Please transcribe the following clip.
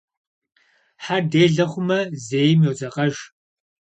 Хьэр делэ хъумэ зейм йодзэкъэж.